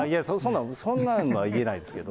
そんなのは言えないですけど。